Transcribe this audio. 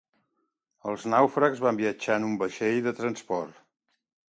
Els nàufrags van viatjar en un vaixell de transport.